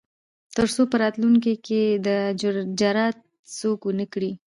تر څو په راتلونکو کې دا جرات څوک ونه کړي.